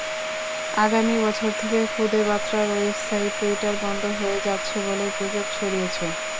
আগামী বছর থেকে খুদে বার্তার ওয়েবাসাইট টুইটার বন্ধ হয়ে যাচ্ছে বলে গুজব ছড়িয়েছে।